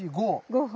５本！